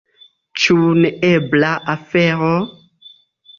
Ĉu neebla afero?